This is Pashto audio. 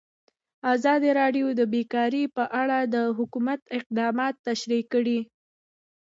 ازادي راډیو د بیکاري په اړه د حکومت اقدامات تشریح کړي.